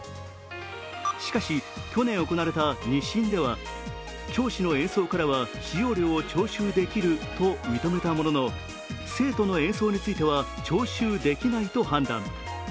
しかし、去年行われた２審では教師の演奏からは使用料を徴収できると認めたものの、生徒の演奏については徴収できないと判断。